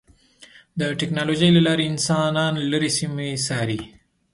د ټکنالوجۍ له لارې انسانان لرې سیمې څاري.